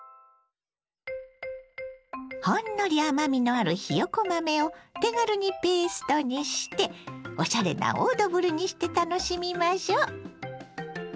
ほんのり甘みのあるひよこ豆を手軽にペーストにしておしゃれなオードブルにして楽しみましょう。